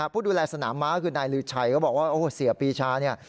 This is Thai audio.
ผู้ดูแลสนามม้าคือนายลือชัยก็บอกว่าโอ้โหเสียปีชาเนี่ย